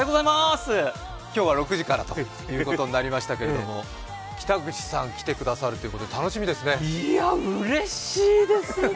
今日は６時からということになりましたけど北口さん、来てくださるということでうれしいですね。